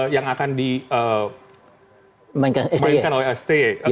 yang akan dimainkan oleh sti